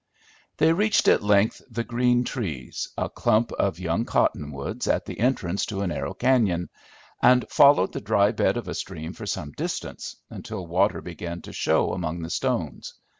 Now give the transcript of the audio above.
They reached at length the green trees, a clump of young cottonwoods at the entrance to a narrow cañon, and followed the dry bed of a stream for some distance, until water began to show among the stones.